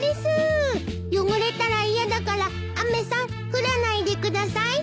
汚れたら嫌だから雨さん降らないでください。